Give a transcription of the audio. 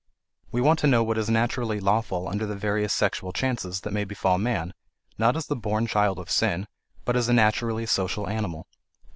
We want to know what is naturally lawful under the various sexual chances that may befall man, not as the born child of sin, but as a naturally social animal.